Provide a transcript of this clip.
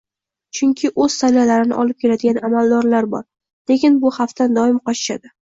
Chunki o'z sallalarini olib keladigan amaldorlar bor, lekin bu xavfdan doim qochishadi